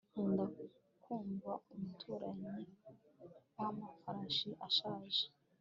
Nkunda kumva umuturanyi wamafarashi ashaje